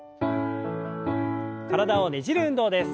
体をねじる運動です。